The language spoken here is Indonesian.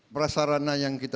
berasarana yang kita